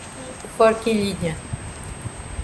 Forquilhinha